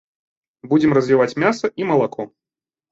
Будзем развіваць мяса і малако.